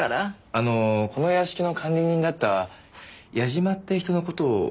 あのこの屋敷の管理人だった矢嶋って人の事を覚えていませんか？